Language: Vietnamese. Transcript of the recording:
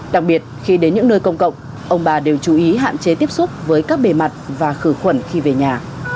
đặc biệt khi đến những nơi công cộng ông bà đều chú ý hạn chế tiếp xúc với các bề mặt và khử khuẩn khi về nhà